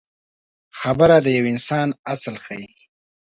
خبره د یو انسان اصل ښيي.